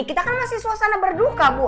kita kan masih suasana berduka bu